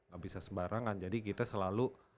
gak bisa sembarangan jadi kita selalu